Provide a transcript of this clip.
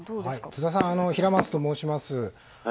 津田さん、平松と申します。